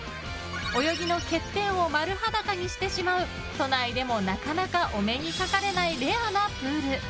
泳ぎの欠点を丸裸にしてしまう都内でもなかなかお目にかかれないレアなプール。